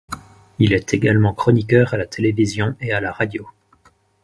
Il est également chroniqueur à la télévision et à la radio.